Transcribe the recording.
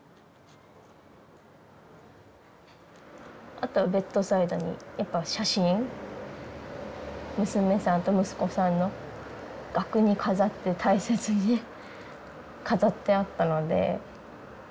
あとはベッドサイドにやっぱ写真娘さんと息子さんの額に飾って大切にね飾ってあったので。